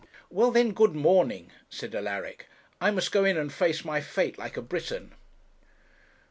'Well, then, good morning,' said Alaric. 'I must go in and face my fate, like a Briton.'